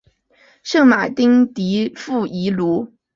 圣马丁迪富伊卢。